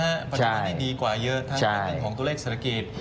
ปัจจุบันดีกว่าเยอะทั้งให้เป็นของตัวเลขศักยศ